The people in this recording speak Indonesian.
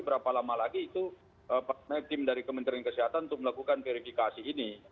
berapa lama lagi itu tim dari kementerian kesehatan untuk melakukan verifikasi ini